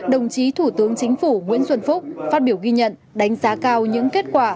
đồng chí thủ tướng chính phủ nguyễn xuân phúc phát biểu ghi nhận đánh giá cao những kết quả